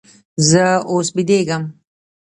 زه اوس بېدېږم.